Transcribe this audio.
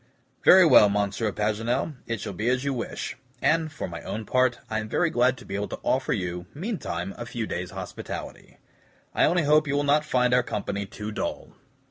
"Very well, Monsieur Paganel, it shall be as you wish; and, for my own part, I am very glad to be able to offer you, meantime, a few days' hospitality. I only hope you will not find our company too dull."